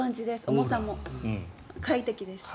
重さも快適です。